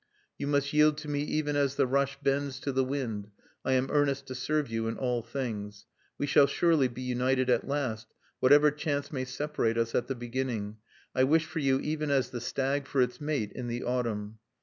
"You must yield to me even as the rush bends to the wind. I am earnest to serve you in all things. "We shall surely be united at last, whatever chance may separate us at the beginning. I wish for you even as the stag for its mate in the autumn.